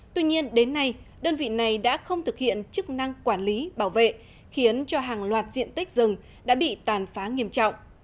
tuy nhiên đến nay đơn vị này đã không thực hiện chức năng quản lý bảo vệ khiến cho hàng loạt diện tích rừng đã bị tàn phá nghiêm trọng